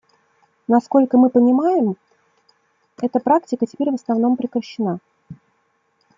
Насколько мы понимает, эта практика теперь в основном прекращена.